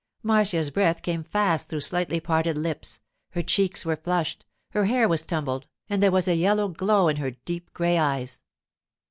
Marcia's breath came fast through slightly parted lips, her cheeks were flushed, her hair was tumbled, and there was a yellow glow in her deep grey eyes.